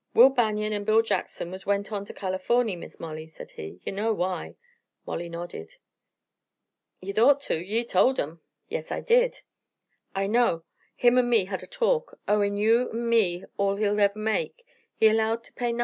"Will Banion and Bill Jackson has went on to Californy, Miss Molly," said he. "You know why." Mollie nodded. "Ye'd orto! Ye told him." "Yes, I did." "I know. Him an' me had a talk. Owin' you an' me all he'll ever make, he allowed to pay nothin'!